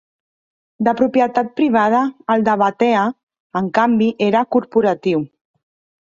De propietat privada, el de Batea, en canvi, era corporatiu.